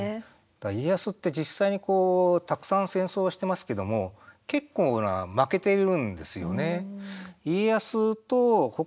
家康って、実際にたくさん戦争はしていますけども結構、負けているんですよね。